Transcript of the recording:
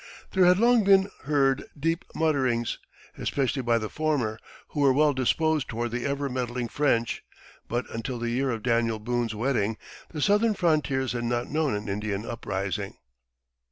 There had long been heard deep mutterings, especially by the former, who were well disposed toward the ever meddling French; but until the year of Daniel Boone's wedding the southern frontiers had not known an Indian uprising.